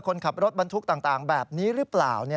คนขับรถบรรทุกต่างแบบนี้หรือเปล่า